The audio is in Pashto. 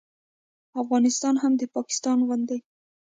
افغانستان هم د پاکستان غوندې